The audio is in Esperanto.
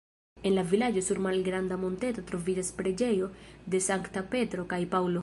En la vilaĝo sur malgranda monteto troviĝas preĝejo de Sanktaj Petro kaj Paŭlo.